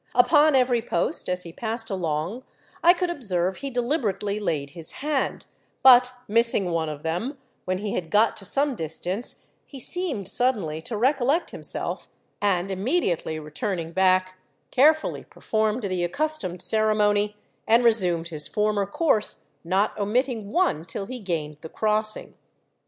Upon every post, as he passed along, I could observe he deliberately laid his hand; but missing one of them, when he had got to some distance he seemed suddenly to recollect himself, and immediately returning back, carefully performed the accustomed ceremony, and resumed his former course, not omitting one, till he gained the crossing.